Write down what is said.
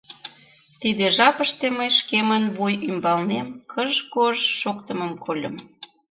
Тиде жапыште мый шкемын вуй ӱмбалнем кыж-гож шоктымым кольым.